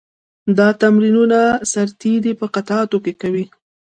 دا تمرینونه سرتېري په قطعاتو کې کوي.